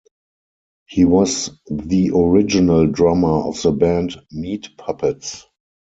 He was the original drummer of the band Meat Puppets.